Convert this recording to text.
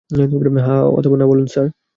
হ্যাঁ অথবা না বলুন, স্যার?